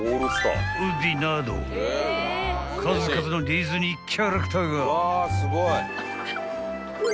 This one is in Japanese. ［数々のディズニーキャラクターが］